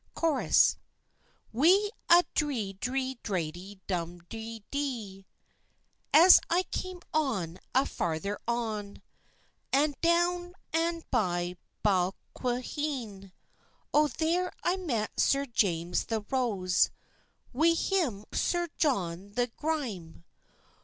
(Chorus) Wi a dree dree dradie drumtie dree. As I cam on, an farther on, An doun an by Balquhain, Oh there I met Sir James the Rose, Wi him Sir John the Gryme.